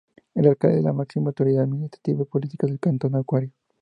El Alcalde es la máxima autoridad administrativa y política del Cantón Aguarico.